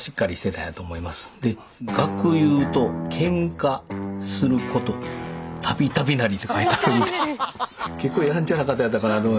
で学友と喧嘩すること度々なりって書いてあるんで結構やんちゃな方やったかなと思いますけど。